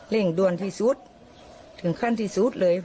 ด่วนที่สุดถึงขั้นที่สุดเลย